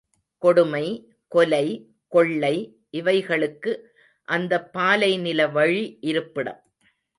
கொடுமை, கொலை, கொள்ளை இவைகளுக்கு அந்தப் பாலை நிலவழி இருப்பிடம்.